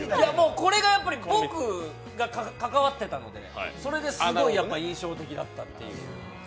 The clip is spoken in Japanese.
これが僕が関わっていたので、それですごい印象的だったという。